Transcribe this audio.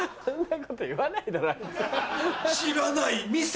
知らない店！